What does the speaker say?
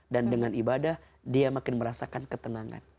dan dengan ibadah dia makin merasakan ketenangan